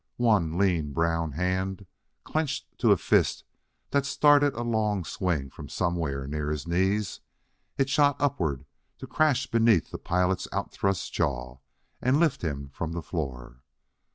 One lean, brown hand clenched to a fist that started a long swing from somewhere near his knees; it shot upward to crash beneath the pilot's outthrust jaw and lift him from the floor.